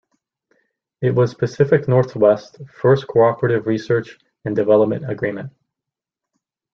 It was Pacific Northwest's first Cooperative Research and Development Agreement.